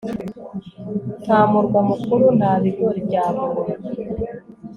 Nta murwa mukuru nta bigori bya buntu